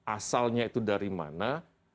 asalnya itu dari mana